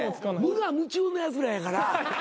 無我夢中のやつらやから。